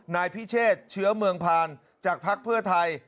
นายพิเชษเชื้อเมืองผ่านจากภักดิ์เพื่อไทย